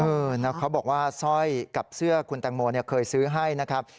เขาบอกว่าสร้อยกับเสื้อคุณแตงโมเคยซื้อให้นะครับ